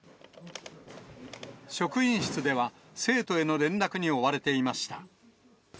職員室では、生徒への連絡に追われていました。